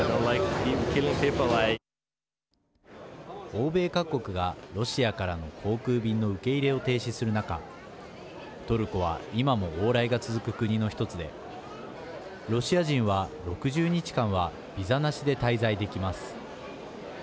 欧米各国がロシアからの航空便の受け入れを停止する中トルコは今も往来が続く国の一つでロシア人は６０日間はビザなしで滞在できます。